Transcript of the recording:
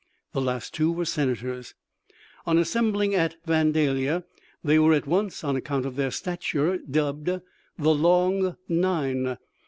The last two were senators. On assembling at Vandalia they were at once, on account of their stature, dubbed the " Long Nine."